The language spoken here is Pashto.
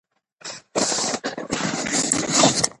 زده کړه نجونو ته د زغم او حوصلې درس ورکوي.